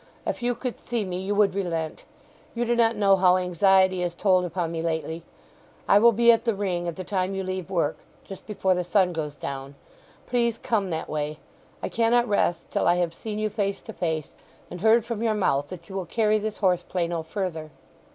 If you could see me you would relent. You do not know how anxiety has told upon me lately. I will be at the Ring at the time you leave work—just before the sun goes down. Please come that way. I cannot rest till I have seen you face to face, and heard from your mouth that you will carry this horse play no further."